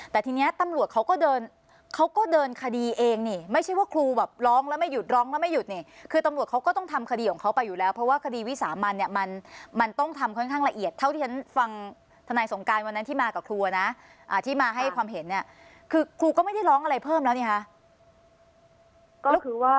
แต่ทีนี้ตำรวจเขาก็เดินเขาก็เดินคดีเองนี่ไม่ใช่ว่าครูแบบร้องแล้วไม่หยุดร้องแล้วไม่หยุดนี่คือตำรวจเขาก็ต้องทำคดีของเขาไปอยู่แล้วเพราะว่าคดีวิสามันเนี่ยมันมันต้องทำค่อนข้างละเอียดเท่าที่ฉันฟังทนายสงการวันนั้นที่มากับครูนะที่มาให้ความเห็นเนี่ยคือครูก็ไม่ได้ร้องอะไรเพิ่มแล้วนี่คะ